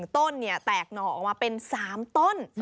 ๑ต้นเนี่ยแตกหน่อออกมาเป็น๓ต้น